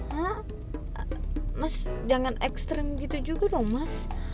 hah mas jangan ekstrem gitu juga dong mas